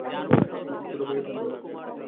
ধুলো-মলিন তাঁর দেহ।